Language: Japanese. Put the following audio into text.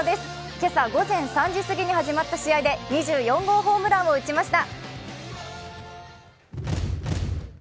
今朝３時過ぎに始まった試合で２４号ホームランを打ちました。